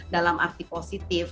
dalam arti positif